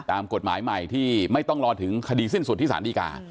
ตามกฎหมายใหม่ที่ไม่ต้องรอถึงคดีสิ้นสุดที่สารดีกา